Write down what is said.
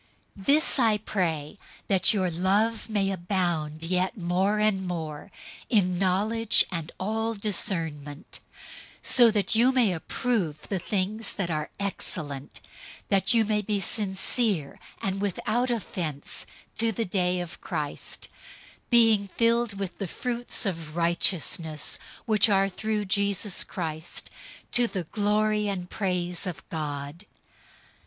001:009 This I pray, that your love may abound yet more and more in knowledge and all discernment; 001:010 so that you may approve the things that are excellent; that you may be sincere and without offense to the day of Christ; 001:011 being filled with the fruits of righteousness, which are through Jesus Christ, to the glory and praise of God.